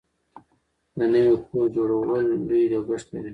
د نوي کور جوړول لوی لګښت لري.